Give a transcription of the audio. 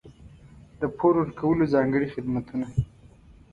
د پور ورکولو ځانګړي خدمتونه.